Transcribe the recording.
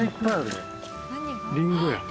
りんごや。